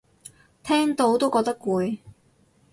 聽到都覺得攰